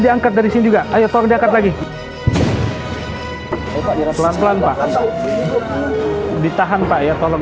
diangkat dari sini juga ayo tolong diangkat lagi pelan pelan pak ditahan pak ya tolong